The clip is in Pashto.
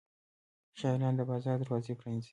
ښه اعلان د بازار دروازې پرانیزي.